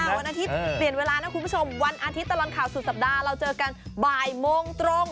วันอาทิตย์เปลี่ยนเวลานะคุณผู้ชมวันอาทิตย์ตลอดข่าวสุดสัปดาห์เราเจอกันบ่ายโมงตรง